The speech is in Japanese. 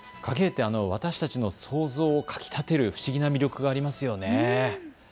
私たちの想像をかきたてる不思議な魅力がありますよね。